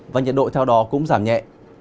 và nhiệt độ theo đó cũng giảm nhẹ